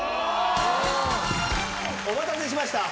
お待たせしました。